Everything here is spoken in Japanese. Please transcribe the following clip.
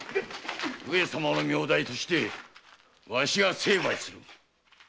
上様の名代としてわしが成敗する。